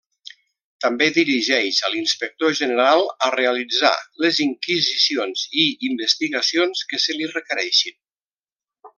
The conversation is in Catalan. També dirigeix a l'Inspector General a realitzar les inquisicions i investigacions que se li requereixin.